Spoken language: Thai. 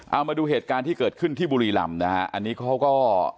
เอามาดูเหตุการณ์ที่เกิดขึ้นที่บุรีรำนะฮะอันนี้เขาก็